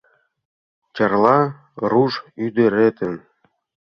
Чарла руш ӱдыретын.